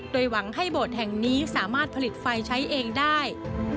โดยหวังให้โบสถ์แห่งนี้สามารถผลิตไฟใช้เองได้